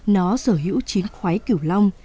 nó sở hữu chín khoái kiểu long